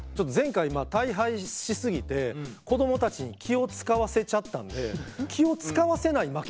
前回まあ大敗し過ぎて子どもたちに気を遣わせちゃったんで気を遣わせない